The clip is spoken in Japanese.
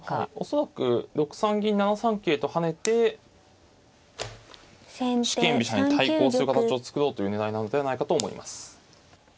恐らく６三銀７三桂と跳ねて四間飛車に対抗する形を作ろうという狙いなのではないかと思います。